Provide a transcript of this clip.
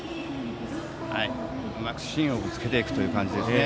うまく芯をぶつけていくという感じですね。